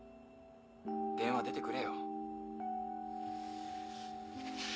電話出てくれよ。